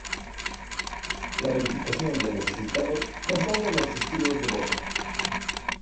La verificación de los resultados contando los testigos de voto.